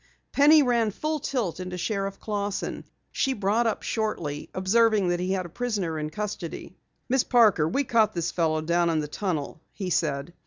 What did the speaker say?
Penny ran full tilt into Sheriff Clausson. She brought up shortly, observing that he had a prisoner in custody. "Miss Parker, we caught this fellow down in the tunnel," he said.